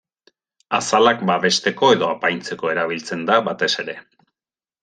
Azalak babesteko edo apaintzeko erabiltzen da, batez ere.